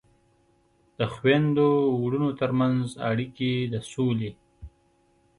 د خویندو ورونو ترمنځ اړیکې د سولې